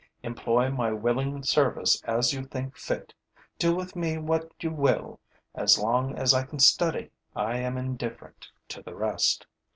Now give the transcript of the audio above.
Employ my willing service as you think fit, do with me what you will: as long as I can study, I am indifferent to the rest.